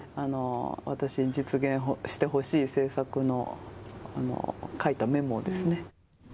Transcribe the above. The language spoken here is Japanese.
私に実現してほしい政策の、書いたメモをですね。